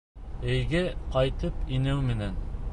Өйгә ҡайтып инеү менән: